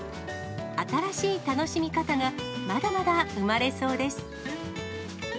新しい楽しみ方がまだまだ生まれそうです。